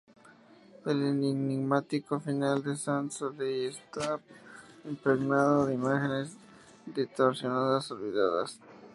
El enigmático final de Sans Soleil, está impregnado de imágenes distorsionadas, olvidadas.